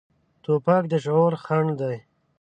توپک د شعور خنډ دی.